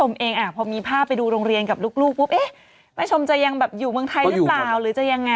อ่านรายการเหมือนพี่หนุ่มไปรายงานอยู่ตรงนั้นค่ะ